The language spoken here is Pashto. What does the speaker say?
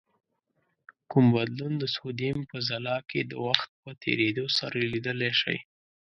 کوم بدلون د سودیم په ځلا کې د وخت په تیرېدو سره لیدلای شئ؟